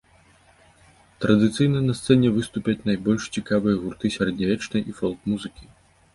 Традыцыйна на сцэне выступяць найбольш цікавыя гурты сярэднявечнай і фолк-музыкі.